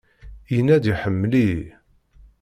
Yenna-d iḥemmel-iyi.